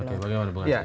oke bagaimana bu